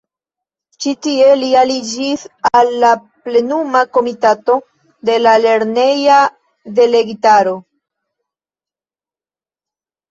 Ĉi tie li aliĝis al la Plenuma Komitato de la lerneja delegitaro.